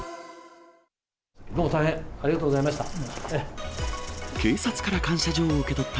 どうも大変ありがとうございました。